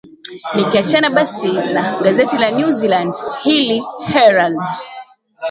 nikiachana basin na gazeti la new zealand hili herald